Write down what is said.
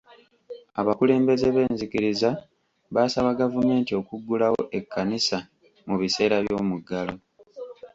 Abakulembeze b'enzikiriza baasaba gavumenti okuggulawo ekkanisa mu biseera by'omuggalo.